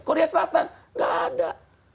korea selatan tidak ada